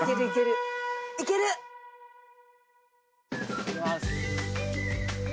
いきます。